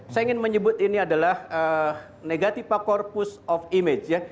saya ingin menyebut ini adalah negativa corpus of image ya